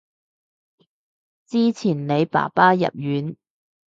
之前你爸爸入院